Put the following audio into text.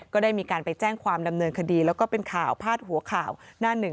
ก็ได้มีการไปแจ้งความดำเนินคดีแล้วก็เป็นข่าวพาดหัวข่าวหน้าหนึ่ง